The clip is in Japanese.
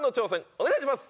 お願いします。